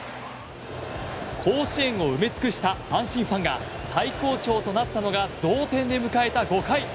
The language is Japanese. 甲子園を埋め尽くした阪神ファンが最高潮となったのが同点で迎えた５回。